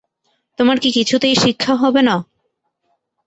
তোমার কি কিছুতেই শিক্ষা হবে না!